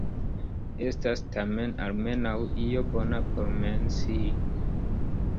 Estas tamen almenaŭ io bona por mencii.